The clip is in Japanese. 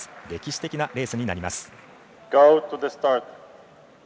歴史的なレースになります。